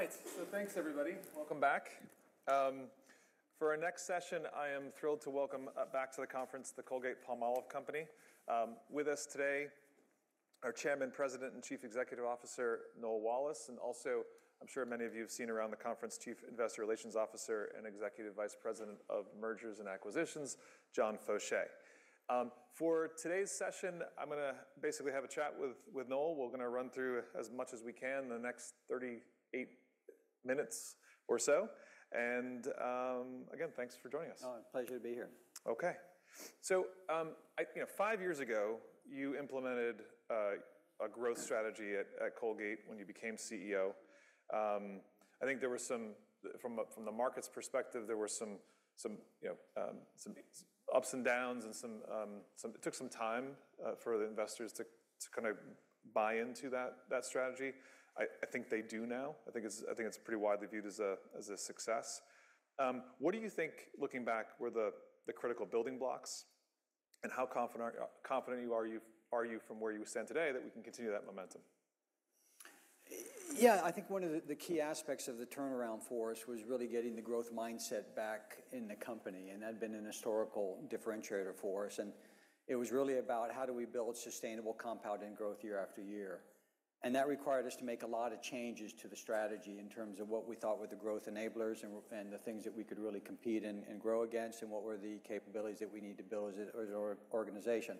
All right. So thanks, everybody. Welcome back. For our next session, I am thrilled to welcome back to the conference, the Colgate-Palmolive Company. With us today, our Chairman, President, and Chief Executive Officer, Noel Wallace, and also, I'm sure many of you have seen around the conference, Chief Investor Relations Officer and Executive Vice President of Mergers and Acquisitions, John Faucher. For today's session, I'm gonna basically have a chat with Noel. We're gonna run through as much as we can in the next 38 minutes or so. Again, thanks for joining us. Oh, pleasure to be here. Okay. So, you know, five years ago, you implemented a growth strategy at Colgate when you became CEO. I think there were some from the market's perspective, some ups and downs and some. It took some time for the investors to kind of buy into that strategy. I think they do now. I think it's pretty widely viewed as a success. What do you think, looking back, were the critical building blocks, and how confident are you from where you stand today, that we can continue that momentum? Yeah, I think one of the, the key aspects of the turnaround for us was really getting the growth mindset back in the company, and that had been an historical differentiator for us. It was really about how do we build sustainable compounded growth year after year? That required us to make a lot of changes to the strategy in terms of what we thought were the growth enablers and, and the things that we could really compete and, and grow against, and what were the capabilities that we need to build as an organization.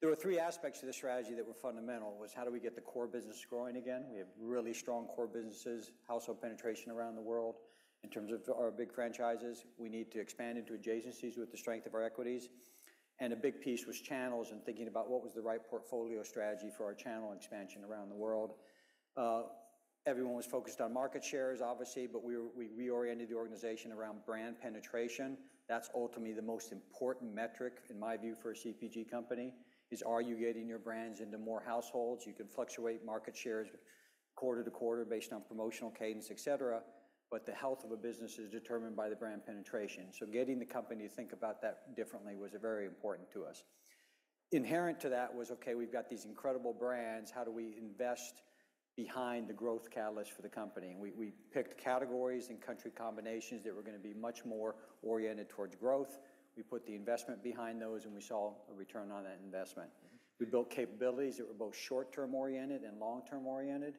There were three aspects to the strategy that were fundamental, was: how do we get the core business growing again? We have really strong core businesses, household penetration around the world. In terms of our big franchises, we need to expand into adjacencies with the strength of our equities. A big piece was channels and thinking about what was the right portfolio strategy for our channel expansion around the world. Everyone was focused on market shares, obviously, but we reoriented the organization around brand penetration. That's ultimately the most important metric, in my view, for a CPG company, is: are you getting your brands into more households? You can fluctuate market shares quarter to quarter based on promotional cadence, et cetera, but the health of a business is determined by the brand penetration. Getting the company to think about that differently was very important to us. Inherent to that was, okay, we've got these incredible brands; how do we invest behind the growth catalyst for the company? And we picked categories and country combinations that were gonna be much more oriented towards growth. We put the investment behind those, and we saw a return on that investment. We built capabilities that were both short-term oriented and long-term oriented.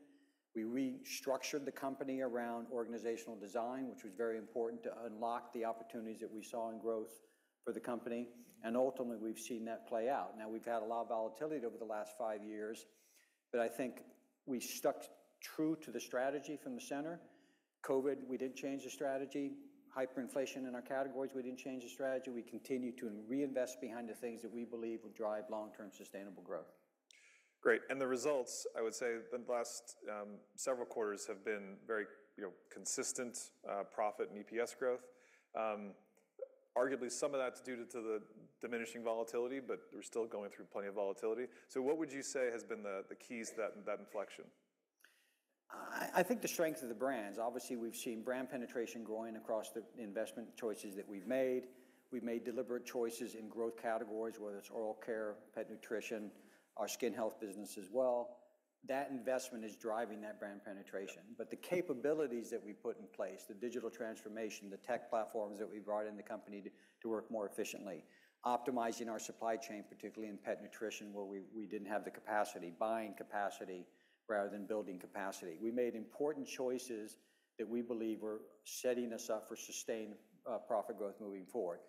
We restructured the company around organizational design, which was very important to unlock the opportunities that we saw in growth for the company, and ultimately, we've seen that play out. Now, we've had a lot of volatility over the last five years, but I think we stuck true to the strategy from the center. COVID, we didn't change the strategy. Hyperinflation in our categories, we didn't change the strategy. We continued to reinvest behind the things that we believe will drive long-term sustainable growth. Great. The results, I would say, the last several quarters have been very, you know, consistent profit and EPS growth. Arguably, some of that's due to the diminishing volatility, but we're still going through plenty of volatility. So what would you say has been the keys to that inflection? I think the strength of the brands. Obviously, we've seen brand penetration growing across the investment choices that we've made. We've made deliberate choices in growth categories, whether it's oral care, pet nutrition, our skin health business as well. That investment is driving that brand penetration. But the capabilities that we put in place, the digital transformation, the tech platforms that we brought in the company to work more efficiently, optimizing our supply chain, particularly in pet nutrition, where we didn't have the capacity, buying capacity rather than building capacity. We made important choices that we believe were setting us up for sustained, profit growth moving forward.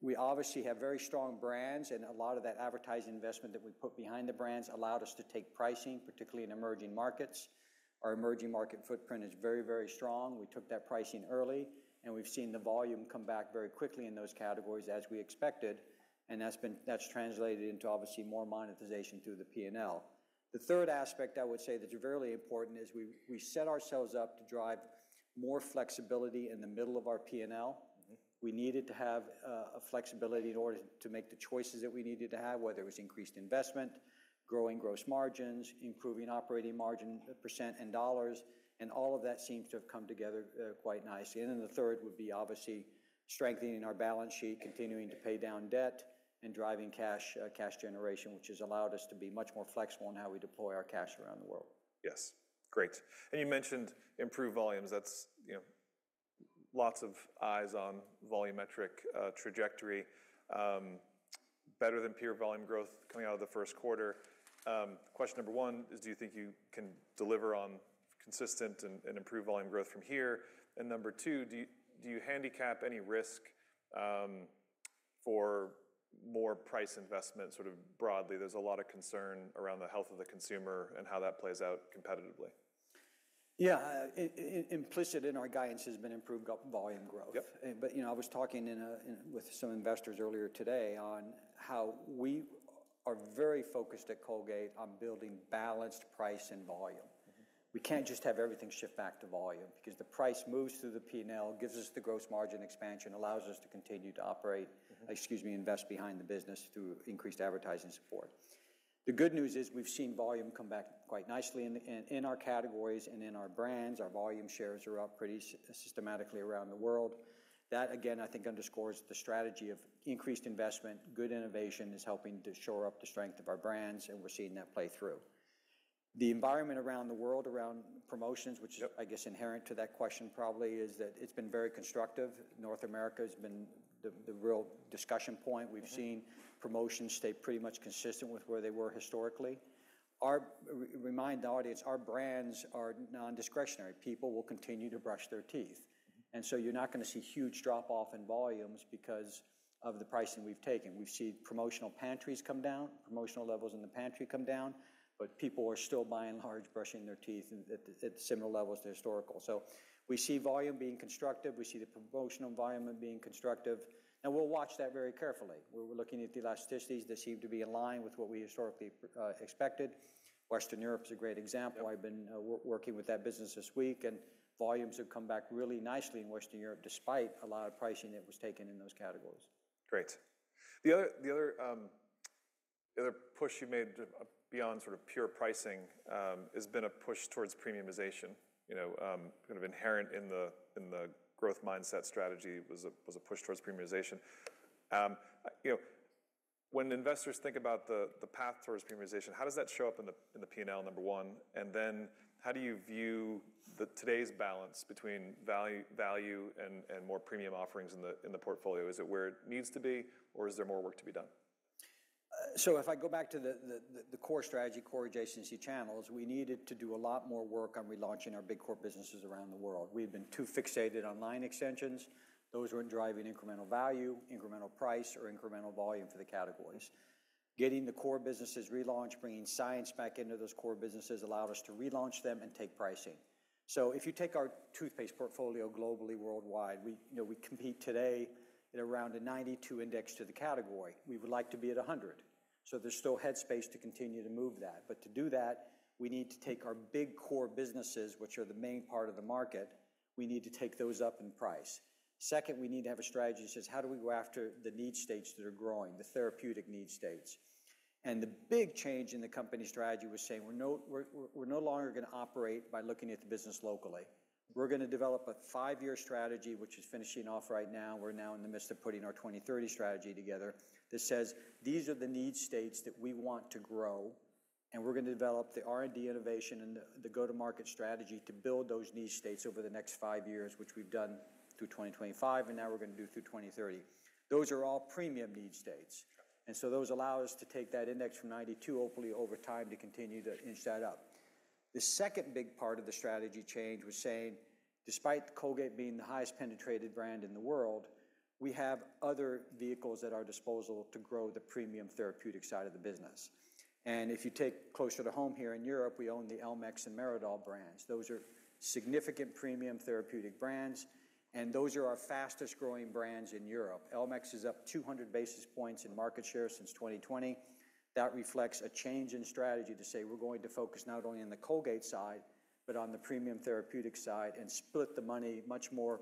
We obviously have very strong brands, and a lot of that advertising investment that we put behind the brands allowed us to take pricing, particularly in emerging markets. Our emerging market footprint is very, very strong. We took that pricing early, and we've seen the volume come back very quickly in those categories, as we expected, and that's been, that's translated into, obviously, more monetization through the P&L. The third aspect I would say that are very important is we, we set ourselves up to drive more flexibility in the middle of our P&L. We needed to have a flexibility in order to make the choices that we needed to have, whether it was increased investment, growing gross margins, improving operating margin percent and dollars, and all of that seems to have come together quite nicely. And then the third would be obviously strengthening our balance sheet, continuing to pay down debt, and driving cash, cash generation, which has allowed us to be much more flexible in how we deploy our cash around the world. Yes, great. And you mentioned improved volumes. That's, you know, lots of eyes on volumetric trajectory, better than peer volume growth coming out of the first quarter. Question number one is: do you think you can deliver on consistent and improved volume growth from here? And number two: do you handicap any risk, for more price investment sort of broadly? There's a lot of concern around the health of the consumer and how that plays out competitively. Yeah. Implicit in our guidance has been improved unit volume growth. But, you know, I was talking with some investors earlier today on how we are very focused at Colgate on building balanced price and volume. We can't just have everything shift back to volume because the price moves through the P&L, gives us the gross margin expansion, allows us to continue to operate. Excuse me, invest behind the business through increased advertising support. The good news is we've seen volume come back quite nicely in our categories and in our brands. Our volume shares are up pretty systematically around the world. That, again, I think underscores the strategy of increased investment. Good innovation is helping to shore up the strength of our brands, and we're seeing that play through.... The environment around the world, around promotions, which is, I guess, inherent to that question probably, is that it's been very constructive. North America has been the real discussion point. We've seen promotions stay pretty much consistent with where they were historically. Remind the audience, our brands are non-discretionary. People will continue to brush their teeth, and so you're not gonna see huge drop-off in volumes because of the pricing we've taken. We've seen promotional pantries come down, promotional levels in the pantry come down, but people are still, by and large, brushing their teeth at similar levels to historical. So we see volume being constructive, we see the promotional environment being constructive, and we'll watch that very carefully. We're looking at the elasticities that seem to be in line with what we historically expected. Western Europe is a great example. I've been working with that business this week, and volumes have come back really nicely in Western Europe, despite a lot of pricing that was taken in those categories. Great. The other push you made beyond sort of pure pricing has been a push towards premiumization. You know, kind of inherent in the growth mindset strategy was a push towards premiumization. You know, when investors think about the path towards premiumization, how does that show up in the P&L, number one, and then how do you view the today's balance between value and more premium offerings in the portfolio? Is it where it needs to be, or is there more work to be done? So if I go back to the core strategy, core adjacency channels, we needed to do a lot more work on relaunching our big core businesses around the world. We've been too fixated on line extensions. Those weren't driving incremental value, incremental price, or incremental volume for the categories. Getting the core businesses relaunched, bringing science back into those core businesses, allowed us to relaunch them and take pricing. So if you take our toothpaste portfolio globally, worldwide, we, you know, we compete today at around a 92 index to the category. We would like to be at a 100, so there's still head space to continue to move that. But to do that, we need to take our big core businesses, which are the main part of the market, we need to take those up in price. Second, we need to have a strategy that says: How do we go after the need states that are growing, the therapeutic need states? And the big change in the company strategy was saying, "We're no longer gonna operate by looking at the business locally. We're gonna develop a five-year strategy," which is finishing off right now. We're now in the midst of putting our 2030 strategy together. This says, "These are the need states that we want to grow, and we're gonna develop the R&D innovation and the go-to-market strategy to build those need states over the next five years," which we've done through 2025, and now we're gonna do through 2030. Those are all premium need states. And so those allow us to take that index from 92, hopefully over time, to continue to inch that up. The second big part of the strategy change was saying, "Despite Colgate being the highest penetrated brand in the world, we have other vehicles at our disposal to grow the premium therapeutic side of the business." And if you take closer to home here in Europe, we own the Elmex and Meridol brands. Those are significant premium therapeutic brands, and those are our fastest growing brands in Europe. Elmex is up 200 basis points in market share since 2020. That reflects a change in strategy to say: We're going to focus not only on the Colgate side, but on the premium therapeutic side, and split the money much more,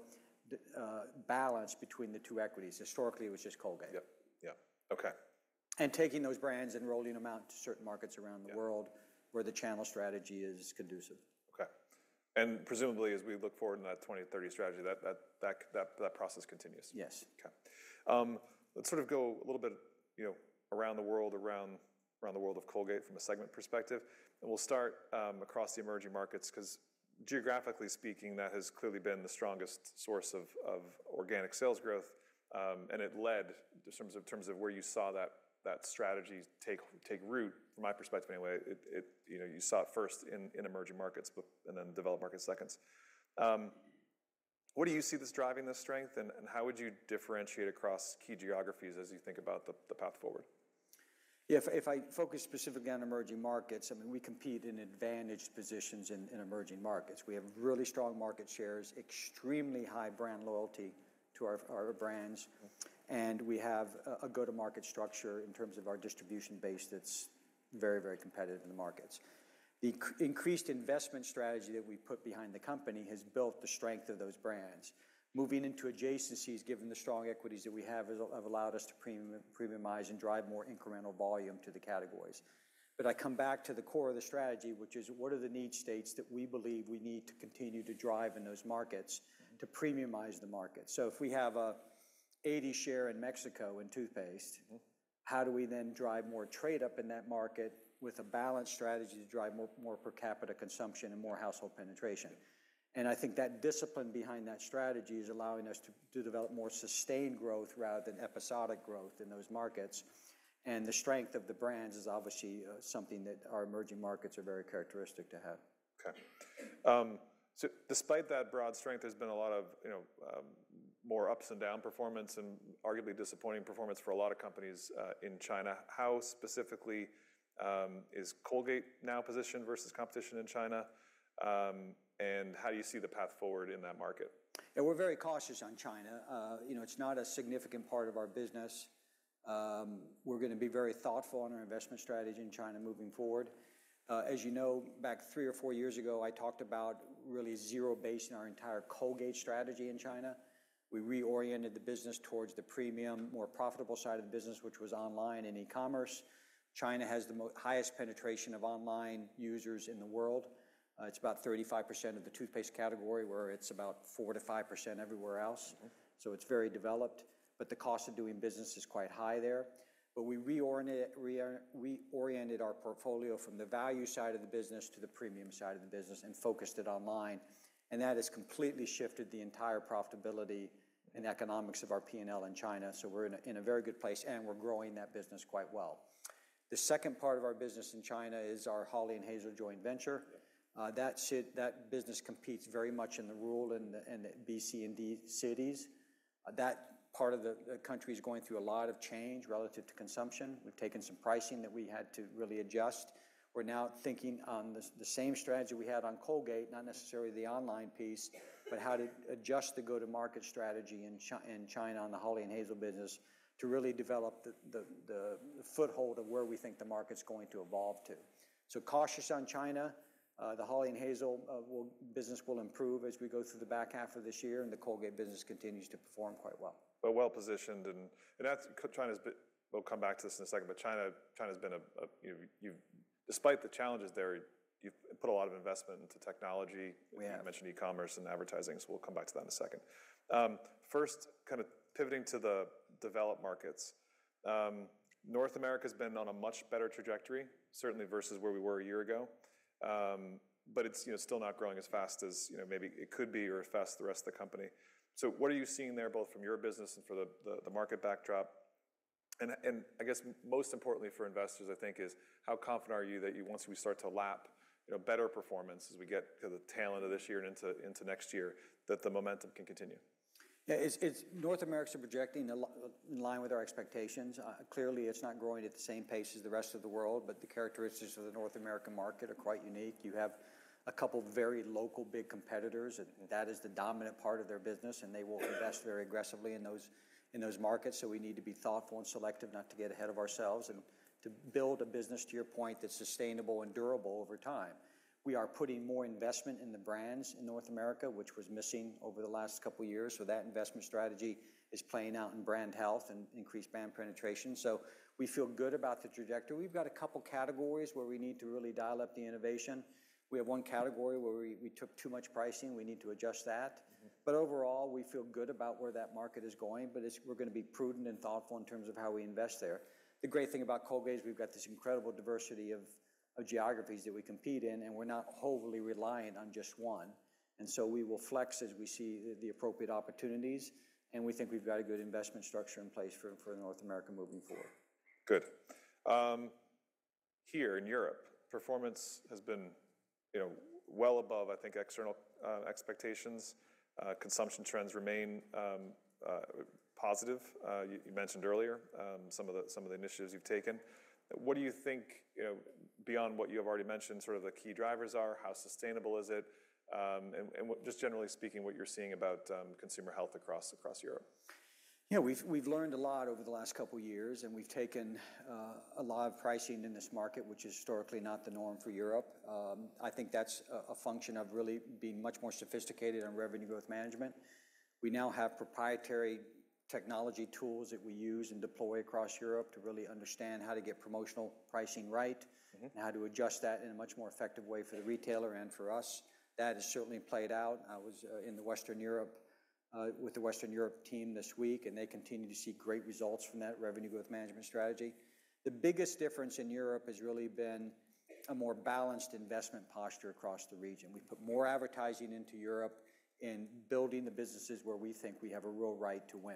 balanced between the two equities. Historically, it was just Colgate. Okay. Taking those brands and rolling them out to certain markets around the world where the channel strategy is conducive. Okay. And presumably, as we look forward in that 2030 strategy, that process continues? Yes. Okay. Let's sort of go a little bit, you know, around the world of Colgate from a segment perspective. And we'll start across the emerging markets, 'cause geographically speaking, that has clearly been the strongest source of organic sales growth, and it led in terms of where you saw that strategy take root. From my perspective anyway, it, you know, you saw it first in emerging markets, but and then developed markets second. What do you see that's driving this strength, and how would you differentiate across key geographies as you think about the path forward? Yeah, if I focus specifically on emerging markets, I mean, we compete in advantaged positions in emerging markets. We have really strong market shares, extremely high brand loyalty to our brands, and we have a go-to-market structure in terms of our distribution base that's very, very competitive in the markets. The increased investment strategy that we put behind the company has built the strength of those brands. Moving into adjacencies, given the strong equities that we have, has allowed us to premiumize and drive more incremental volume to the categories. But I come back to the core of the strategy, which is: What are the need states that we believe we need to continue to drive in those markets to premiumize the market? So if we have an 80 share in Mexico in toothpaste. How do we then drive more trade up in that market with a balanced strategy to drive more, more per capita consumption and more household penetration? And I think that discipline behind that strategy is allowing us to develop more sustained growth rather than episodic growth in those markets. And the strength of the brands is obviously, something that our emerging markets are very characteristic to have. Okay. So despite that broad strength, there's been a lot of, you know, more ups and down performance and arguably disappointing performance for a lot of companies, in China. How specifically, is Colgate now positioned versus competition in China? And how do you see the path forward in that market? Yeah, we're very cautious on China. You know, it's not a significant part of our business. We're gonna be very thoughtful on our investment strategy in China moving forward. As you know, back three or four years ago, I talked about really zero-basing our entire Colgate strategy in China. We reoriented the business towards the premium, more profitable side of the business, which was online and e-commerce. China has the highest penetration of online users in the world. It's about 35% of the toothpaste category, where it's about 4%-5% everywhere else. So it's very developed, but the cost of doing business is quite high there. But we reoriented our portfolio from the value side of the business to the premium side of the business and focused it online, and that has completely shifted the entire profitability and economics of our P&L in China. So we're in a very good place, and we're growing that business quite well. The second part of our business in China is our Hawley & Hazel joint venture. That business competes very much in the rural and the B, C, and D cities. That part of the country is going through a lot of change relative to consumption. We've taken some pricing that we had to really adjust. We're now thinking on the same strategy we had on Colgate, not necessarily the online piece—but how to adjust the go-to-market strategy in China on the Hawley & Hazel business, to really develop the foothold of where we think the market's going to evolve to. So cautious on China, the Hawley & Hazel business will improve as we go through the back half of this year, and the Colgate business continues to perform quite well. But well positioned, and that's—China's—we'll come back to this in a second, but China, China's been a, you've—despite the challenges there, you've put a lot of investment into technology. We have. You mentioned e-commerce and advertising, so we'll come back to that in a second. First, kind of pivoting to the developed markets. North America's been on a much better trajectory, certainly versus where we were a year ago. But it's, you know, still not growing as fast as, you know, maybe it could be or as fast as the rest of the company. So what are you seeing there, both from your business and for the market backdrop? And I guess most importantly for investors, I think, is: how confident are you that you, once we start to lap, you know, better performance as we get to the tail end of this year and into next year, that the momentum can continue? Yeah, North America's projecting in line with our expectations. Clearly, it's not growing at the same pace as the rest of the world, but the characteristics of the North American market are quite unique. You have a couple of very local, big competitors, and that is the dominant part of their business, and they will invest very aggressively in those, in those markets. So we need to be thoughtful and selective not to get ahead of ourselves and to build a business, to your point, that's sustainable and durable over time. We are putting more investment in the brands in North America, which was missing over the last couple of years, so that investment strategy is playing out in brand health and increased brand penetration. So we feel good about the trajectory. We've got a couple of categories where we need to really dial up the innovation. We have one category where we took too much pricing, we need to adjust that. But overall, we feel good about where that market is going, but it's, we're going to be prudent and thoughtful in terms of how we invest there. The great thing about Colgate is we've got this incredible diversity of geographies that we compete in, and we're not wholly reliant on just one, and so we will flex as we see the appropriate opportunities, and we think we've got a good investment structure in place for North America moving forward. Good. Here in Europe, performance has been, you know, well above, I think, external expectations. Consumption trends remain positive. You mentioned earlier, some of the initiatives you've taken. What do you think, you know, beyond what you have already mentioned, sort of the key drivers are, how sustainable is it? And what-- just generally speaking, what you're seeing about consumer health across Europe. Yeah, we've learned a lot over the last couple of years, and we've taken a lot of pricing in this market, which is historically not the norm for Europe. I think that's a function of really being much more sophisticated on revenue growth management. We now have proprietary technology tools that we use and deploy across Europe to really understand how to get promotional pricing right, and how to adjust that in a much more effective way for the retailer and for us. That has certainly played out. I was in Western Europe with the Western Europe team this week, and they continue to see great results from that revenue growth management strategy. The biggest difference in Europe has really been a more balanced investment posture across the region. We've put more advertising into Europe in building the businesses where we think we have a real right to win.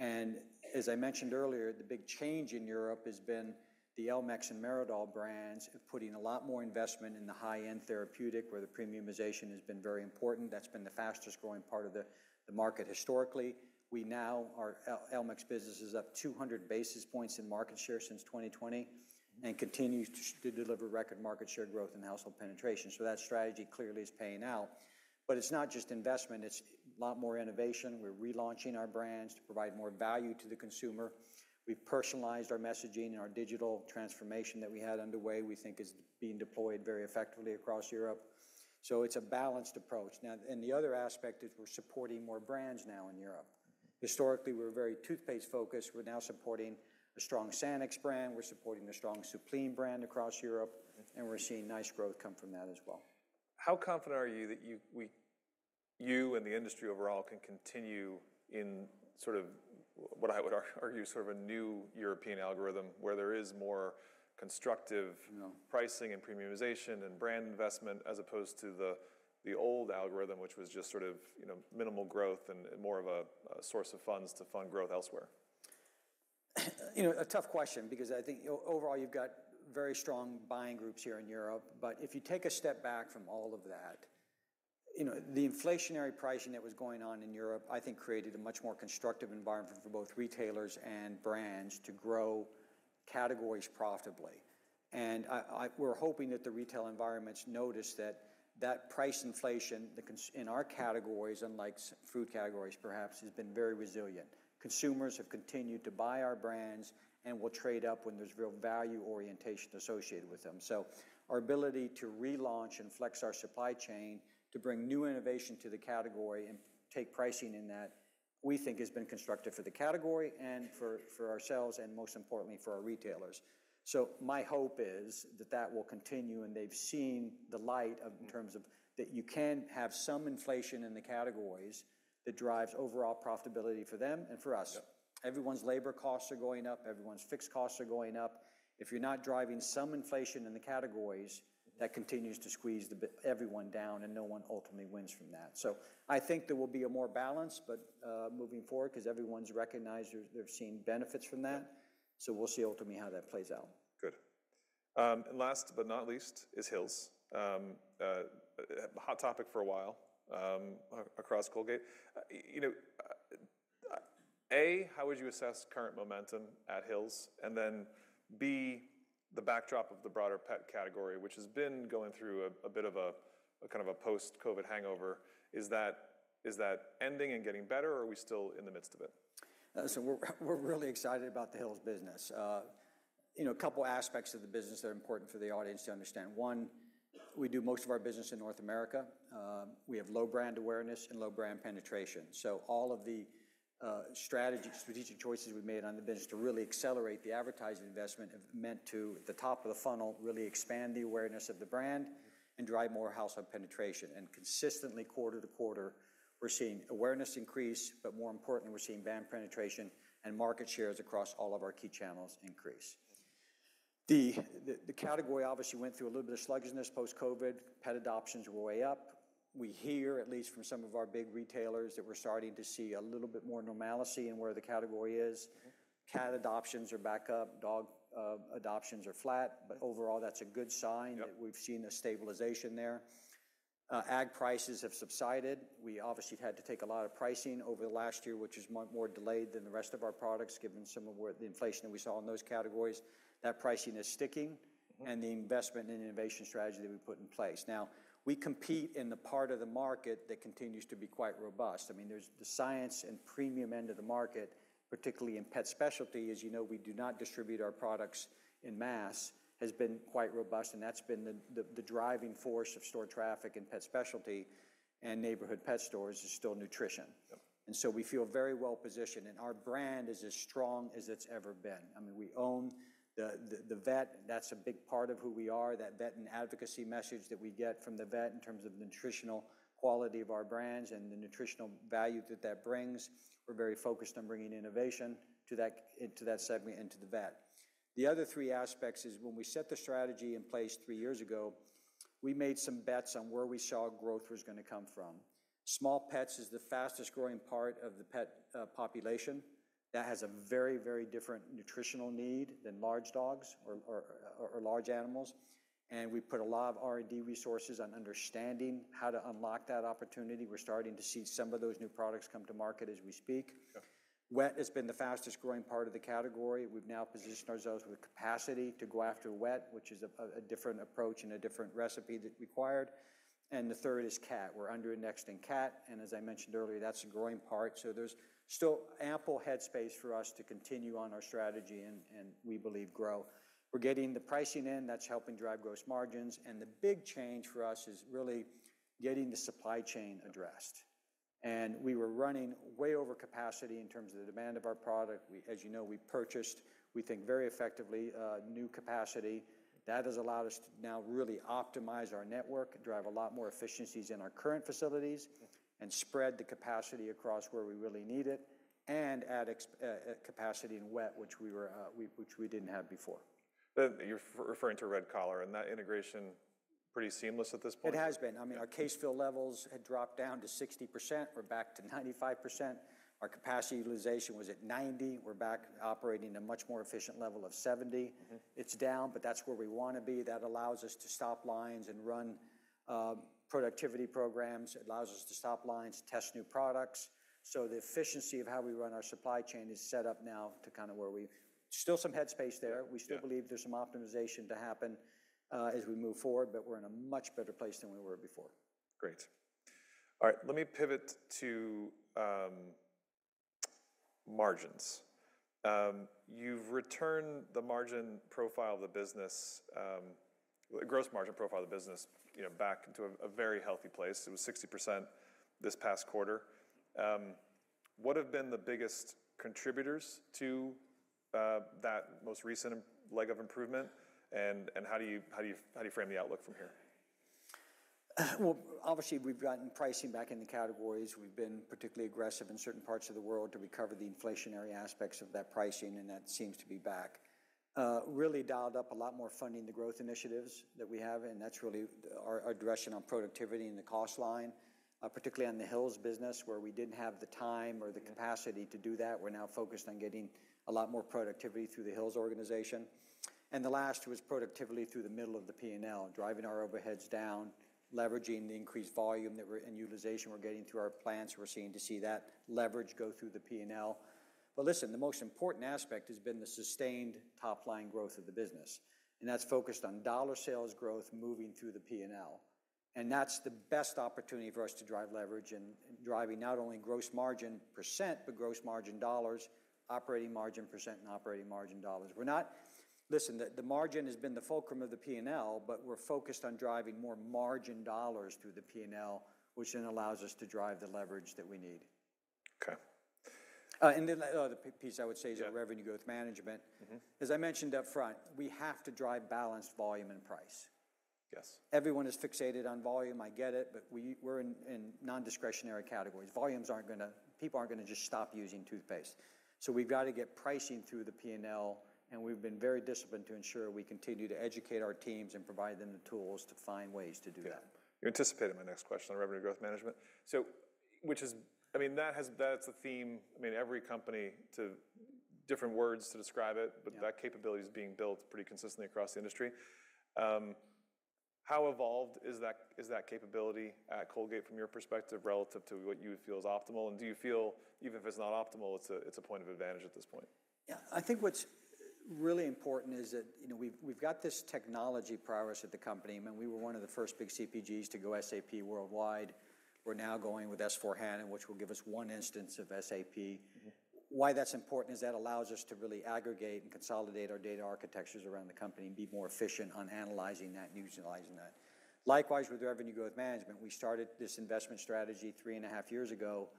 And as I mentioned earlier, the big change in Europe has been the Elmex and Meridol brands, putting a lot more investment in the high-end therapeutic, where the premiumization has been very important. That's been the fastest-growing part of the market historically. We now, our Elmex business is up 200 basis points in market share since 2020, and continues to deliver record market share growth and household penetration. So that strategy clearly is paying out. But it's not just investment, it's a lot more innovation. We're relaunching our brands to provide more value to the consumer. We've personalized our messaging, and our digital transformation that we had underway, we think is being deployed very effectively across Europe. So it's a balanced approach. Now, and the other aspect is we're supporting more brands now in Europe. Historically, we're very toothpaste-focused. We're now supporting a strong Sanex brand, we're supporting a strong Soupline brand across Europe and we're seeing nice growth come from that as well. How confident are you that you, we, you and the industry overall can continue in sort of what I would argue, sort of a new European algorithm, where there is more constructive pricing and premiumization and brand investment, as opposed to the old algorithm, which was just sort of, you know, minimal growth and more of a source of funds to fund growth elsewhere? You know, a tough question because I think overall, you've got very strong buying groups here in Europe. But if you take a step back from all of that, you know, the inflationary pricing that was going on in Europe, I think, created a much more constructive environment for both retailers and brands to grow categories profitably. And I, we're hoping that the retail environments notice that, that price inflation, the in our categories, unlike food categories, perhaps, has been very resilient. Consumers have continued to buy our brands and will trade up when there's real value orientation associated with them. So our ability to relaunch and flex our supply chain to bring new innovation to the category and take pricing in that- we think has been constructive for the category and for, for ourselves, and most importantly, for our retailers. My hope is that that will continue, and they've seen the light of, in terms of that you can have some inflation in the categories that drives overall profitability for them and for us. Everyone's labor costs are going up. Everyone's fixed costs are going up. If you're not driving some inflation in the categories, that continues to squeeze the everyone down, and no one ultimately wins from that. So I think there will be a more balance, but moving forward, 'cause everyone's recognized they're seeing benefits from that. We'll see ultimately how that plays out. Good. And last but not least is Hill's. Hot topic for a while across Colgate. You know, A, how would you assess current momentum at Hill's? And then, B, the backdrop of the broader pet category, which has been going through a bit of a kind of post-COVID hangover. Is that ending and getting better, or are we still in the midst of it? So we're really excited about the Hill's business. You know, a couple aspects of the business that are important for the audience to understand. One, we do most of our business in North America. We have low brand awareness and low brand penetration, so all of the strategic choices we've made on the business to really accelerate the advertising investment have meant to, at the top of the funnel, really expand the awareness of the brand and drive more household penetration. And consistently, quarter to quarter, we're seeing awareness increase, but more importantly, we're seeing brand penetration and market shares across all of our key channels increase. The category obviously went through a little bit of sluggishness post-COVID. Pet adoptions were way up. We hear, at least from some of our big retailers, that we're starting to see a little bit more normalcy in where the category is. Cat adoptions are back up, dog adoptions are flat, but overall, that's a good sign that we've seen a stabilization there. Ag prices have subsided. We obviously had to take a lot of pricing over the last year, which is much more delayed than the rest of our products, given some of where the inflation that we saw in those categories. That pricing is sticking and the investment and innovation strategy that we put in place. Now, we compete in the part of the market that continues to be quite robust. I mean, there's the science and premium end of the market, particularly in pet specialty. As you know, we do not distribute our products in mass, has been quite robust, and that's been the driving force of store traffic and pet specialty, and neighborhood pet stores is still nutrition. We feel very well positioned, and our brand is as strong as it's ever been. I mean, we own the vet. That's a big part of who we are, that vet and advocacy message that we get from the vet in terms of the nutritional quality of our brands and the nutritional value that that brings. We're very focused on bringing innovation into that segment and to the vet. The other three aspects is, when we set the strategy in place three years ago, we made some bets on where we saw growth was gonna come from. Small pets is the fastest-growing part of the pet population. That has a very, very different nutritional need than large dogs or large animals, and we put a lot of R&D resources on understanding how to unlock that opportunity. We're starting to see some of those new products come to market as we speak. Wet has been the fastest-growing part of the category. We've now positioned ourselves with capacity to go after wet, which is a different approach and a different recipe that's required. And the third is cat. We're under indexing cat, and as I mentioned earlier, that's a growing part. So there's still ample head space for us to continue on our strategy and we believe grow. We're getting the pricing in; that's helping drive gross margins, and the big change for us is really getting the supply chain addressed. And we were running way over capacity in terms of the demand of our product. We, as you know, purchased, we think, very effectively new capacity. That has allowed us to now really optimize our network, drive a lot more efficiencies in our current facilities and spread the capacity across where we really need it, and add extra capacity in wet, which we didn't have before. You're referring to Red Collar, and that integration, pretty seamless at this point? It has been. I mean, our case fill levels had dropped down to 60%. We're back to 95%. Our capacity utilization was at 90. We're back operating a much more efficient level of 70. It's down, but that's where we wanna be. That allows us to stop lines and run productivity programs. It allows us to stop lines to test new products. So the efficiency of how we run our supply chain is set up now to kind of where we. Still some head space there. We still believe there's some optimization to happen, as we move forward, but we're in a much better place than we were before. Great. All right, let me pivot to margins. You've returned the margin profile of the business, the gross margin profile of the business, you know, back to a very healthy place. It was 60% this past quarter. What have been the biggest contributors to that most recent leg of improvement, and how do you frame the outlook from here? Well, obviously, we've gotten pricing back in the categories. We've been particularly aggressive in certain parts of the world to recover the inflationary aspects of that pricing, and that seems to be back. Really dialed up a lot more funding the growth initiatives that we have, and that's really our, our aggression on productivity and the cost line, particularly on the Hill's business, where we didn't have the time or the capacity to do that. We're now focused on getting a lot more productivity through the Hill's organization. And the last was productivity through the middle of the P&L, driving our overheads down, leveraging the increased volume and utilization we're getting through our plants. We're starting to see that leverage go through the P&L. But listen, the most important aspect has been the sustained top-line growth of the business, and that's focused on dollar sales growth moving through the P&L. And that's the best opportunity for us to drive leverage and driving not only gross margin percent, but gross margin dollars, operating margin percent, and operating margin dollars. We're not. Listen, the margin has been the fulcrum of the P&L, but we're focused on driving more margin dollars through the P&L, which then allows us to drive the leverage that we need. Okay. And then the other piece I would say is revenue growth management. As I mentioned up front, we have to drive balanced volume and price. Yes. Everyone is fixated on volume, I get it, but we're in non-discretionary categories. People aren't gonna just stop using toothpaste. So we've got to get pricing through the P&L, and we've been very disciplined to ensure we continue to educate our teams and provide them the tools to find ways to do that. Yeah. You anticipated my next question on revenue growth management. So, which is, I mean, that has, that's a theme. I mean, every company to different words to describe it, but that capability is being built pretty consistently across the industry. How evolved is that, is that capability at Colgate from your perspective, relative to what you feel is optimal? And do you feel even if it's not optimal, it's a, it's a point of advantage at this point? Yeah, I think what's really important is that, you know, we've got this technology progress at the company. I mean, we were one of the first big CPGs to go SAP worldwide. We're now going with S/4HANA, which will give us one instance of SAP. Why that's important is that allows us to really aggregate and consolidate our data architectures around the company and be more efficient on analyzing that and utilizing that. Likewise, with revenue growth management, we started this investment strategy 3.5 years ago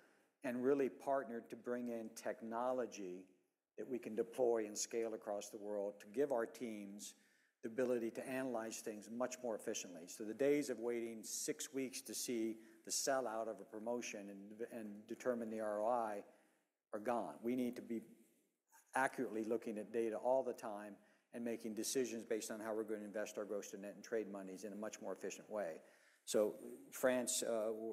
and really partnered to bring in technology that we can deploy and scale across the world to give our teams the ability to analyze things much more efficiently. So the days of waiting 6 weeks to see the sell-out of a promotion and determine the ROI are gone. We need to be accurately looking at data all the time and making decisions based on how we're going to invest our gross to net and trade monies in a much more efficient way. France,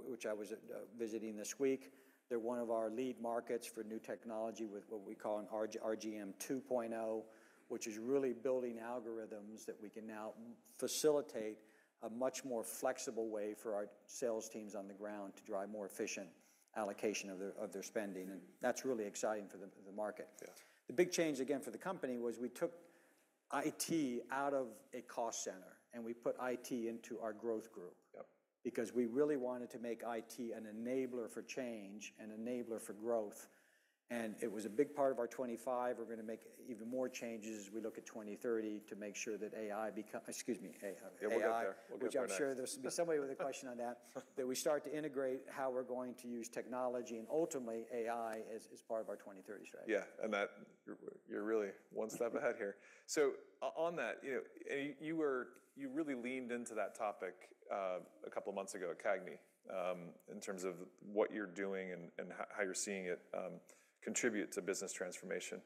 which I was visiting this week, they're one of our lead markets for new technology with what we call an RGM 2.0, which is really building algorithms that we can now facilitate a much more flexible way for our sales teams on the ground to drive more efficient allocation of their spending, and that's really exciting for the market. The big change, again, for the company was we took IT out of a cost center, and we put IT into our growth group. Because we really wanted to make IT an enabler for change and enabler for growth, and it was a big part of our 25. We're gonna make even more changes as we look at 2030 to make sure that AI—excuse me, AI. Yeah, we'll get there. We'll get there next. Which I'm sure there's gonna be somebody with a question on that. That we start to integrate how we're going to use technology and ultimately AI as, as part of our 2030 strategy. Yeah, and that you're, you're really one step ahead here. So on that, you know, you really leaned into that topic a couple of months ago at CAGNY, in terms of what you're doing and how you're seeing it contribute to business transformation.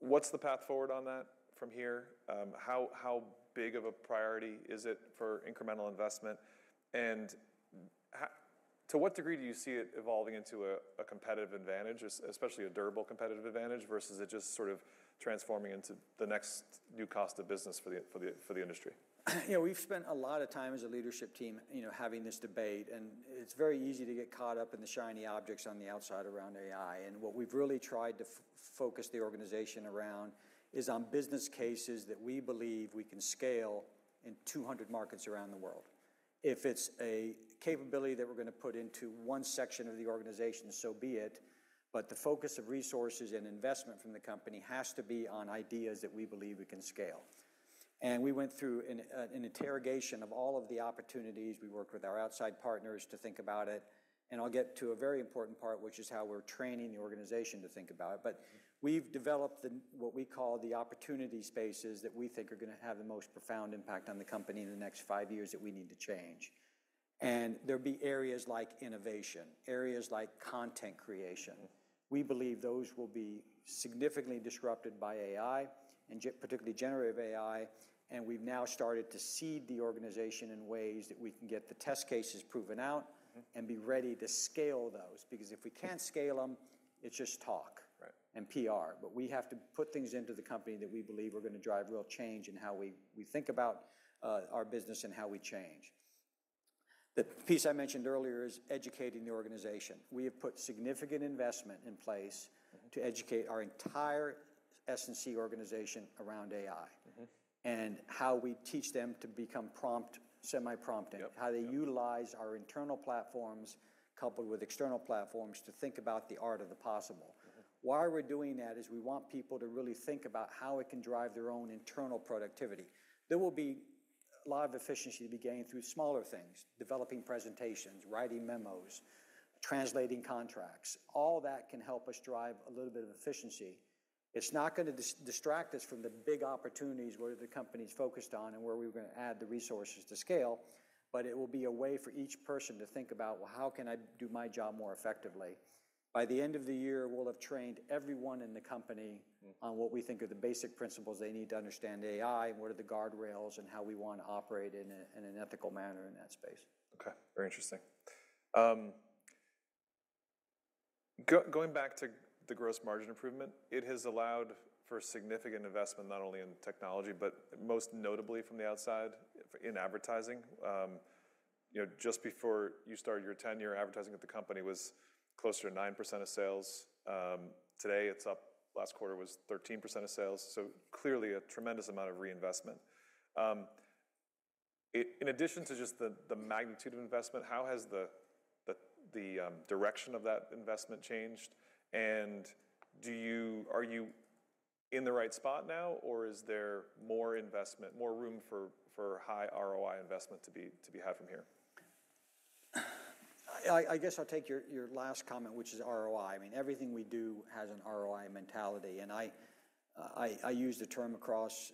What's the path forward on that from here? How big of a priority is it for incremental investment? And to what degree do you see it evolving into a competitive advantage, especially a durable competitive advantage, versus it just sort of transforming into the next new cost of business for the industry? You know, we've spent a lot of time as a leadership team, you know, having this debate, and it's very easy to get caught up in the shiny objects on the outside around AI. And what we've really tried to focus the organization around is on business cases that we believe we can scale in 200 markets around the world. If it's a capability that we're gonna put into one section of the organization, so be it, but the focus of resources and investment from the company has to be on ideas that we believe we can scale. And we went through an interrogation of all of the opportunities. We worked with our outside partners to think about it, and I'll get to a very important part, which is how we're training the organization to think about it. But we've developed what we call the opportunity spaces that we think are gonna have the most profound impact on the company in the next five years that we need to change. And there'll be areas like innovation, areas like content creation. We believe those will be significantly disrupted by AI, and particularly generative AI, and we've now started to seed the organization in ways that we can get the test cases proven out. And be ready to scale those. Because if we can't scale them, it's just talk. Right. And PR, but we have to put things into the company that we believe are gonna drive real change in how we, we think about our business and how we change. The piece I mentioned earlier is educating the organization. We have put significant investment in place to educate our entire S&C organization around AI. How we teach them to become prompt, semi-prompting. How they utilize our internal platforms, coupled with external platforms, to think about the art of the possible. Why we're doing that is we want people to really think about how it can drive their own internal productivity. There will be a lot of efficiency to be gained through smaller things: developing presentations, writing memos, translating contracts. All that can help us drive a little bit of efficiency. It's not gonna distract us from the big opportunities, where the company's focused on and where we're gonna add the resources to scale, but it will be a way for each person to think about, "Well, how can I do my job more effectively?" By the end of the year, we'll have trained everyone in the company on what we think are the basic principles they need to understand AI, what are the guardrails, and how we want to operate in an ethical manner in that space. Okay, very interesting. Going back to the gross margin improvement, it has allowed for significant investment, not only in technology, but most notably from the outside, in advertising. You know, just before you started your tenure, advertising at the company was closer to 9% of sales. Today, it's up. Last quarter, it was 13% of sales, so clearly a tremendous amount of reinvestment. In addition to just the direction of that investment changed? And are you in the right spot now, or is there more investment, more room for high ROI investment to be had from here? I guess I'll take your last comment, which is ROI. I mean, everything we do has an ROI mentality, and I use the term across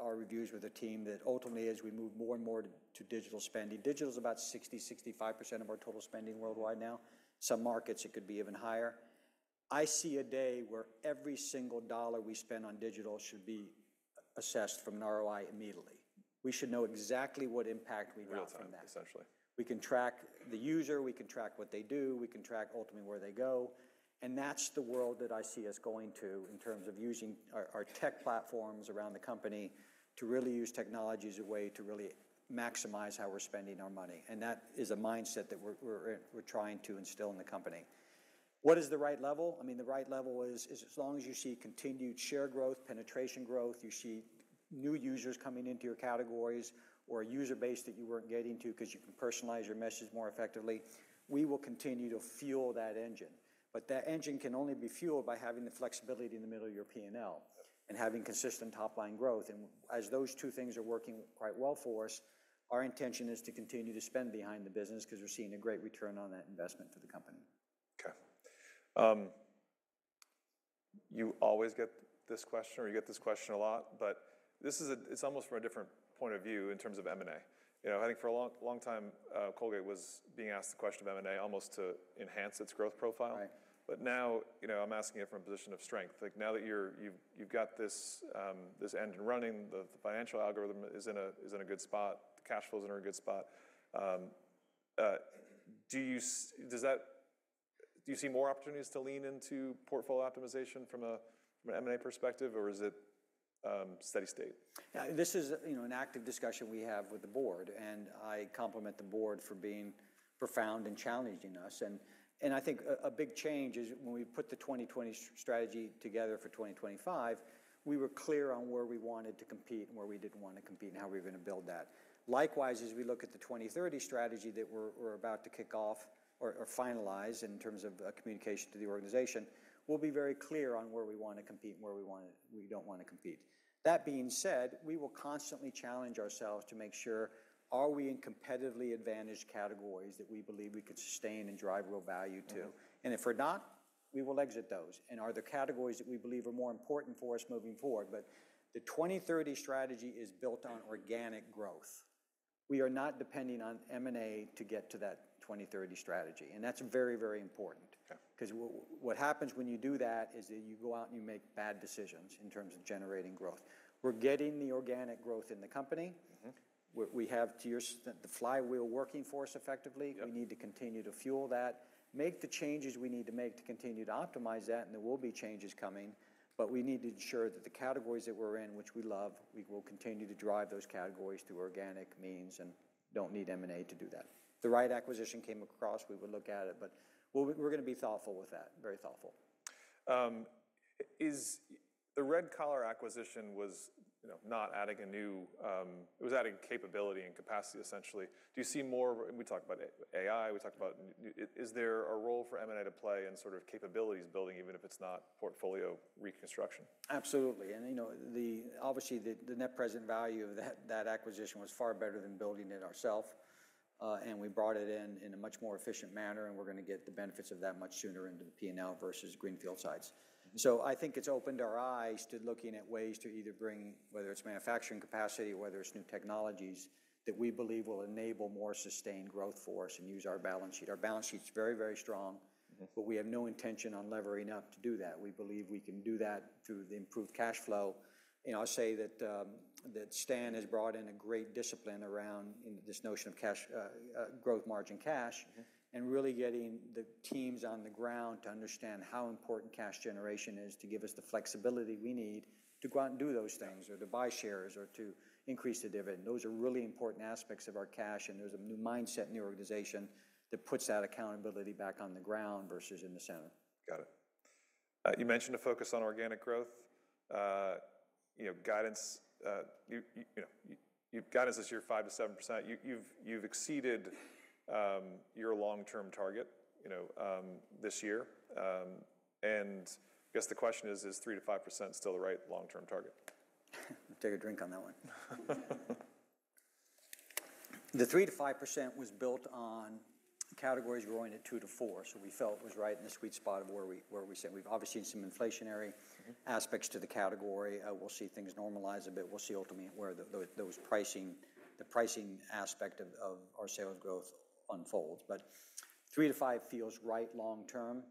our reviews with the team that ultimately, as we move more and more to digital spending, digital's about 60%-65% of our total spending worldwide now. Some markets it could be even higher. I see a day where every single dollar we spend on digital should be assessed from an ROI immediately. We should know exactly what impact we got from that. Real-time, essentially. We can track the user, we can track what they do, we can track ultimately where they go, and that's the world that I see us going to in terms of using our tech platforms around the company to really use technology as a way to really maximize how we're spending our money. And that is a mindset that we're trying to instill in the company. What is the right level? I mean, the right level is as long as you see continued share growth, penetration growth, you see new users coming into your categories or a user base that you weren't getting to because you can personalize your message more effectively, we will continue to fuel that engine. But that engine can only be fueled by having the flexibility in the middle of your P&L and having consistent top-line growth. As those two things are working quite well for us, our intention is to continue to spend behind the business 'cause we're seeing a great return on that investment for the company. Okay. You always get this question, or you get this question a lot, but this is, it's almost from a different point of view in terms of M&A. You know, I think for a long, long time, Colgate was being asked the question of M&A almost to enhance its growth profile. Right. But now, you know, I'm asking it from a position of strength. Like now that you're, you've got this engine running, the financial algorithm is in a good spot, the cash flow is in a good spot. Do you see more opportunities to lean into portfolio optimization from an M&A perspective, or is it steady state? Yeah, this is, you know, an active discussion we have with the board, and I compliment the board for being profound and challenging us. I think a big change is when we put the 2020s strategy together for 2025, we were clear on where we wanted to compete and where we didn't want to compete and how we were going to build that. Likewise, as we look at the 2030 strategy that we're about to kick off or finalize in terms of communication to the organization, we'll be very clear on where we want to compete and where we want to, we don't want to compete. That being said, we will constantly challenge ourselves to make sure, are we in competitively advantaged categories that we believe we could sustain and drive real value to? If we're not, we will exit those. Are there categories that we believe are more important for us moving forward? The 2030 strategy is built on organic growth. We are not depending on M&A to get to that 2030 strategy, and that's very, very important. Okay. 'Cause what happens when you do that is that you go out and you make bad decisions in terms of generating growth. We're getting the organic growth in the company. We have to get the flywheel working for us effectively. We need to continue to fuel that, make the changes we need to make to continue to optimize that, and there will be changes coming, but we need to ensure that the categories that we're in, which we love, we will continue to drive those categories through organic means and don't need M&A to do that. If the right acquisition came across, we would look at it, but we're gonna be thoughtful with that. Very thoughtful. Is the Red Collar acquisition was, you know, not adding a new. It was adding capability and capacity, essentially. Do you see more? We talked about AI, we talked about, is there a role for M&A to play in sort of capabilities building, even if it's not portfolio reconstruction? Absolutely. And, you know, obviously, the net present value of that acquisition was far better than building it ourselves, and we brought it in in a much more efficient manner, and we're gonna get the benefits of that much sooner into the P&L versus greenfield sites. So I think it's opened our eyes to looking at ways to either bring, whether it's manufacturing capacity, whether it's new technologies, that we believe will enable more sustained growth for us and use our balance sheet. Our balance sheet's very, very strong but we have no intention on levering up to do that. We believe we can do that through the improved cash flow. You know, I'll say that, that Stan has brought in a great discipline around this notion of cash, growth, margin, cash and really getting the teams on the ground to understand how important cash generation is to give us the flexibility we need to go out and do those things, or to buy shares, or to increase the dividend. Those are really important aspects of our cash, and there's a new mindset in the organization that puts that accountability back on the ground versus in the center. Got it. You mentioned a focus on organic growth. You know, guidance, you know, you've guidance this year, 5%-7%. You've exceeded your long-term target, you know, this year. I guess the question is, is 3%-5% still the right long-term target? Take a drink on that one. The 3%-5% was built on categories growing at 2-4, so we felt it was right in the sweet spot of where we, where we sit. We've obviously seen some inflationary aspects to the category. We'll see things normalize a bit. We'll see ultimately where the pricing aspect of our sales growth unfolds. But 3-5 feels right long term.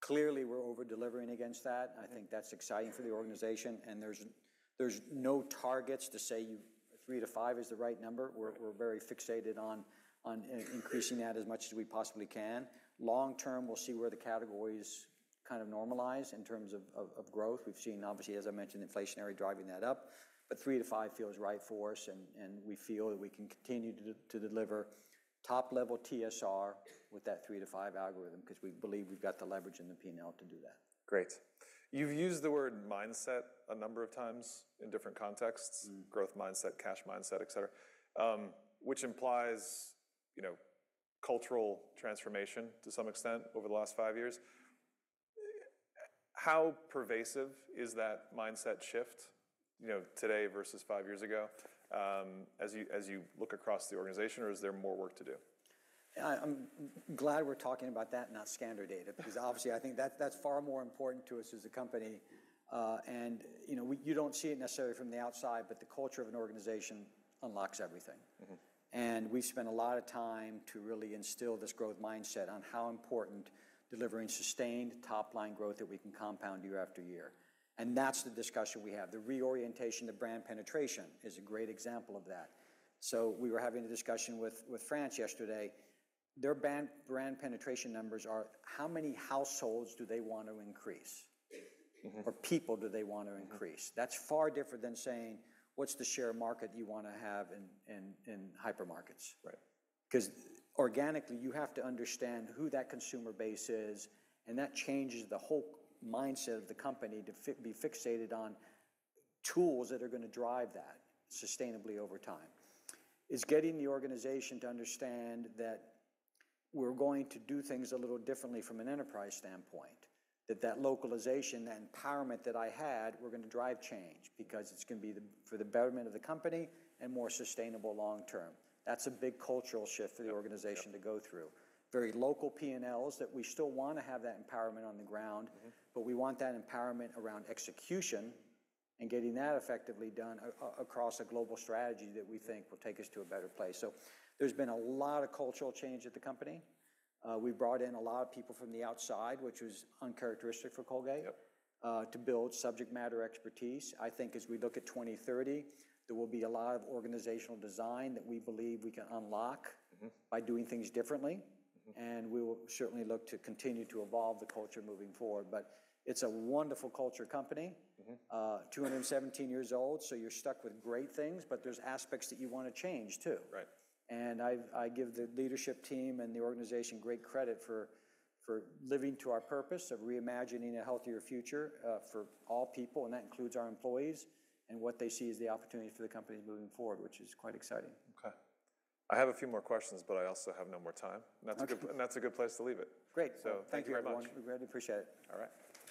Clearly, we're over-delivering against that. I think that's exciting for the organization, and there's no targets to say 3-5 is the right number. Right. We're very fixated on increasing that as much as we possibly can. Long term, we'll see where the categories kind of normalize in terms of growth. We've seen, obviously, as I mentioned, inflationary driving that up, but 3-5 feels right for us, and we feel that we can continue to deliver top-level TSR with that 3-5 algorithm 'cause we believe we've got the leverage in the P&L to do that. Great. You've used the word mindset a number of times in different contexts growth mindset, cash mindset, et cetera. Which implies, you know, cultural transformation to some extent over the last five years. How pervasive is that mindset shift, you know, today versus five years ago, as you, as you look across the organization, or is there more work to do? I'm glad we're talking about that, not scan data, because obviously I think that's, that's far more important to us as a company. You know, we--you don't see it necessarily from the outside, but the culture of an organization unlocks everything. We spend a lot of time to really instill this growth mindset on how important delivering sustained top-line growth that we can compound year after year. That's the discussion we have. The reorientation to brand penetration is a great example of that. We were having a discussion with France yesterday. Their brand penetration numbers are, how many households do they want to increase? Or, people, do they want to increase? That's far different than saying, "What's the share of market you wanna have in hypermarkets? Right. 'Cause organically, you have to understand who that consumer base is, and that changes the whole mindset of the company to be fixated on tools that are gonna drive that sustainably over time. It's getting the organization to understand that we're going to do things a little differently from an enterprise standpoint. That that localization, that empowerment that I had, we're gonna drive change because it's gonna be the, for the betterment of the company and more sustainable long term. That's a big cultural shift for the organization to go through. Very local P&Ls, that we still wanna have that empowerment on the ground. But we want that empowerment around execution and getting that effectively done across a global strategy that we think will take us to a better place. So there's been a lot of cultural change at the company. We've brought in a lot of people from the outside, which was uncharacteristic for Colgate. To build subject matter expertise. I think as we look at 2030, there will be a lot of organizational design that we believe we can unlock by doing things differently. We will certainly look to continue to evolve the culture moving forward. But it's a wonderful culture company. 217 years old, so you're stuck with great things, but there's aspects that you wanna change, too. Right. I give the leadership team and the organization great credit for living to our purpose of reimagining a healthier future, for all people, and that includes our employees, and what they see as the opportunity for the company moving forward, which is quite exciting. Okay. I have a few more questions, but I also have no more time. Okay. That's a good place to leave it. Great. So thank you very much. Thank you, Lauren. We really appreciate it. All right.